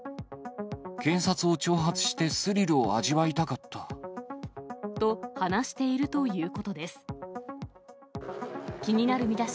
警察を挑発してスリルを味わいたかった。と、話しているということです。